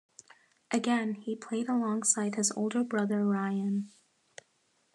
Again, he played alongside his older brother Ryan.